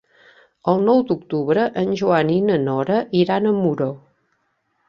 El nou d'octubre en Joan i na Nora iran a Muro.